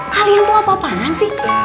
kalian tuh apa apaan sih